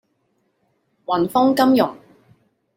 雲鋒金融